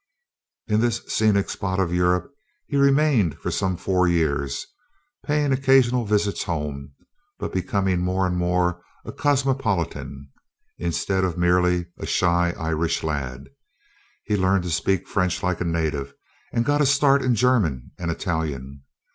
In this scenic spot of Europe he remained for some four years, paying occasional visits home, but becoming more and more a cosmopolitan, instead of merely a shy Irish lad. He learned to speak French like a native, and got a start in German and Italian.